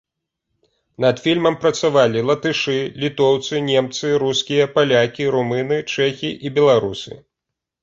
Над фільмам працавалі латышы, літоўцы, немцы, рускія, палякі, румыны, чэхі і беларусы.